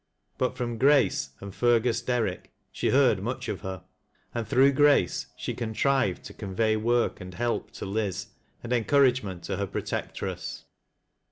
But from Grace and Fergiu Derrick she heard lAuch of her, and through Grace she contrived to convey work and help to Liz, and enaourage ment to her protectress.